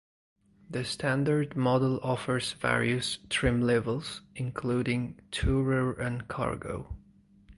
The standard model offers various trim levels including Tourer and Cargo.